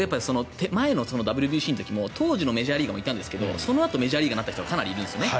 前のＷＢＣの時も当時のメジャーリーガーもいたんですけどそのあとメジャーリーガーになった人がかなりいるんですよね。